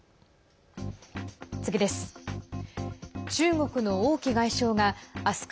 次です。